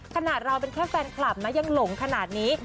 ขนาดเราเป็นแค่แฟนคลับนะยังหลงขนาดนี้